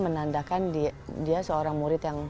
menandakan dia seorang murid yang